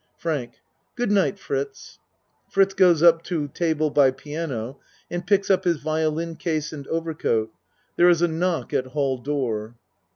FRANK Good night Fritz. (Fritz goes up to ta ble by piano and picks up his violin case and overcoat There is a knock at hall door.)